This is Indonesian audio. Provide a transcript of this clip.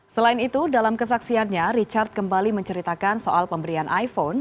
selain itu dalam kesaksiannya richard kembali menceritakan soal pemberian iphone